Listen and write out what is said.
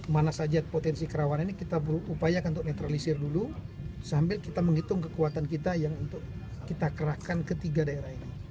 mana saja potensi kerawanan ini kita berupaya untuk netralisir dulu sambil kita menghitung kekuatan kita yang untuk kita kerahkan ke tiga daerah ini